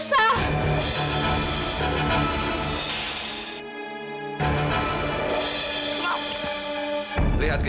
saya buat bantu om